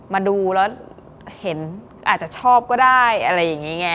มาดูแล้วเห็นอาจจะชอบก็ได้อะไรอย่างนี้ไง